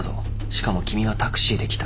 しかも君はタクシーで来た。